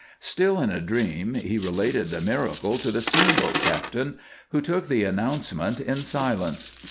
Still in a dream, he related the miracle to the steamboat captain, who took the announcement in silence.